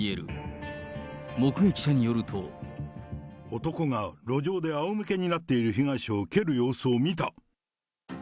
男が路上であおむけになっている被害者を蹴る様子を見た。